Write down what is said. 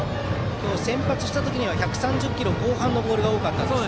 今日先発した時には１３０キロ後半のボールが多かったですが。